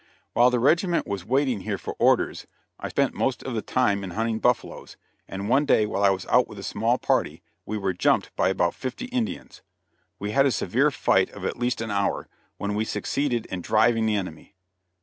While the regiment was waiting here for orders, I spent most of the time in hunting buffaloes, and one day while I was out with a small party, we were "jumped" by about fifty Indians. We had a severe fight of at least an hour, when we succeeded in driving the enemy.